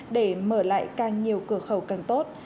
để mở lại càng nhiều cửa khẩu càng tốt